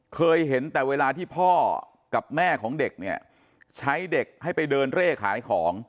เคยเห็นแต่เวลาที่พ่อกับแม่ของเด็กเนี่ยใช้เด็กให้ไปเดินเร่ขายของ